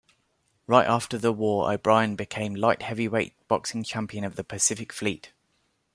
Right after the war O'Brien became Light Heavyweight boxing champion of the Pacific Fleet.